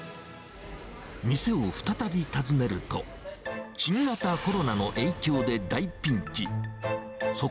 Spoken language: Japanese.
店を再び訪ねると、新型コロナの影響で大ピンチ。